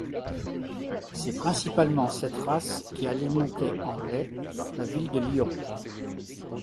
C'est principalement cette race qui alimentait en lait la ville de Lyon.